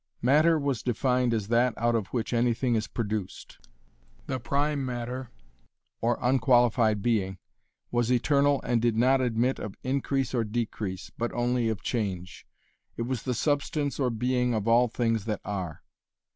Matter was defined as that out of which anything is produced. The Prime Matter, or unqualified being, was eternal and did not admit of increase or decrease, but only of change. It was the substance or being of all things that are.